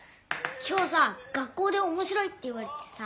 今日さ学校でおもしろいって言われてさ。